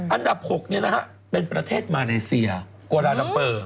อันดับ๖เป็นประเทศมาเลเซียกวาลาลัมเปอร์